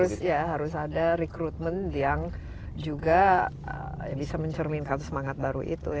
mungkin harus ada recruitment yang juga bisa mencerminkan semangat baru itu